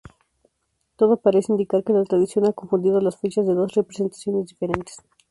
Todo parece indicar que la tradición ha confundido las fechas de dos representaciones diferentes.